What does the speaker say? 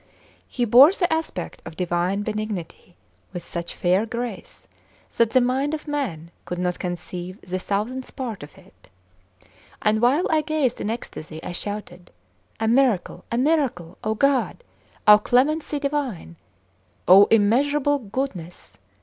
He bore the aspect of divine benignity, with such fair grace that the mind of man could not conceive the thousandth part of it; and while I gazed in ecstasy, I shouted: "A miracle! a miracle! O God! O clemency Divine! O immeasurable Goodness!